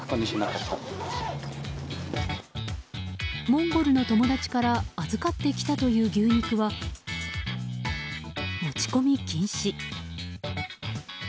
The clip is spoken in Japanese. モンゴルの友達から預かってきたという牛肉は持ち込み禁止。